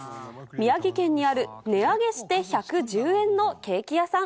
宮城県にある値上げして１１０円のケーキ屋さん。